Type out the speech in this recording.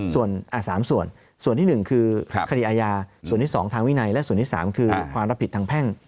ส่วน๓ส่วนส่วนที่๑คือคดีอาญาส่วนที่๒ทางวินัยและส่วนที่๓คือความรับผิดทางแพ่ง